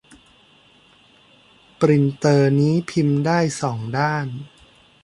ปรินเตอร์นี้พิมพ์ได้สองด้าน